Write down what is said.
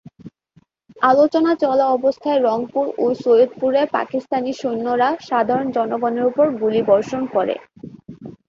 আলোচনা চলা অবস্থায় রংপুর ও সৈয়দপুরে পাকিস্তানি সৈন্যরা সাধারণ জনগণের ওপর গুলিবর্ষণ করে।